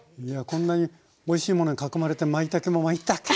いやこんなにおいしいものに囲まれてまいたけも「まいった！」